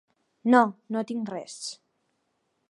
No, no tinc res.